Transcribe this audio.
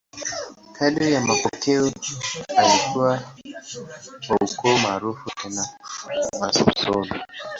Kadiri ya mapokeo, alikuwa wa ukoo maarufu tena msomi.